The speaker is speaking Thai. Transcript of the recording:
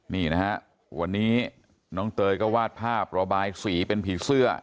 นี่นะฮะวันนี้น้องเตยก็วาดภาพระบายสีเป็นผีเสื้อ